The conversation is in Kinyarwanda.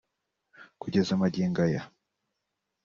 Kugeza magingo aya